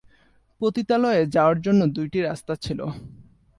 পতিতালয়ে যাওয়ার জন্য দুইটি রাস্তা ছিলো।